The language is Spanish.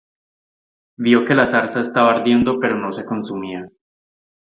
Vio que la zarza estaba ardiendo pero no se consumía.